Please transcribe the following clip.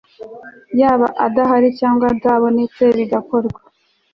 yaba adahari cyangwa atabonetse bigakorwa